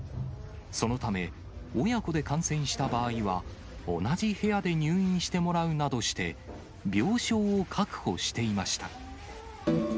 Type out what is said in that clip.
そのため、親子で感染した場合は、同じ部屋で入院してもらうなどして、病床を確保していました。